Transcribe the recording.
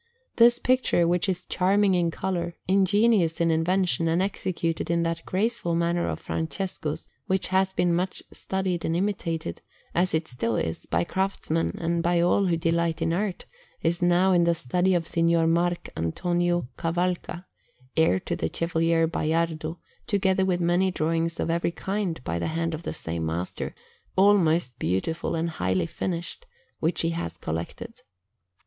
This picture, which is charming in colour, ingenious in invention, and executed in that graceful manner of Francesco's that has been much studied and imitated, as it still is, by craftsmen and by all who delight in art, is now in the study of Signor Marc' Antonio Cavalca, heir to the Chevalier Baiardo, together with many drawings of every kind by the hand of the same master, all most beautiful and highly finished, which he has collected.